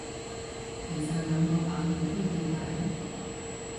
其實兩個版本區別係？